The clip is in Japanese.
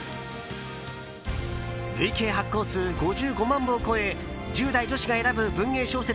累計発行数５５万部を超え１０代女子が選ぶ文芸小説